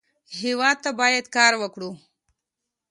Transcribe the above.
هېواد ته باید کار وکړو